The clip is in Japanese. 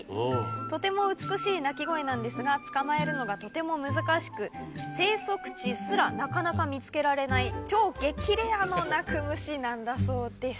とても美しい鳴き声なんですが捕まえるのがとても難しく生息地すらなかなか見つけられない超激レアの鳴く虫なんだそうです。